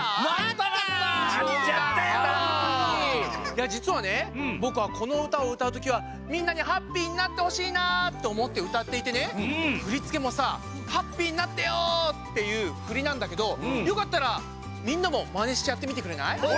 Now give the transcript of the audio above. いやじつはねぼくはこのうたをうたうときはみんなにハッピーになってほしいなっておもってうたっていてねふりつけもさハッピーになってよっていうふりなんだけどよかったらみんなもまねしてやってみてくれない？